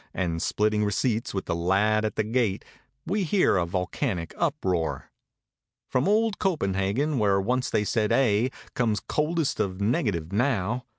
And splitting receipts with the lad at the gate. We hear a volcanic uproar. From old Copenhagen, where once they said "aye," Comes coldest of negative now.